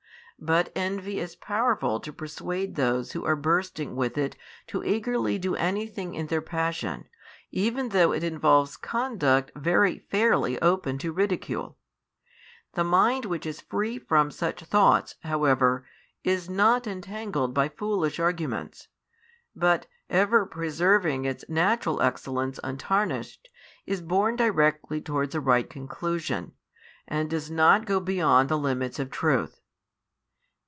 But envy is powerful to persuade those who are bursting with it to eagerly do any thing in their passion, even though it involves conduct very fairly open to ridicule. The mind which is free from such thoughts, however, is not entangled by foolish arguments; but, ever preserving its natural excellence untarnished, is borne directly towards a right conclusion, and does not go beyond the limits of troth.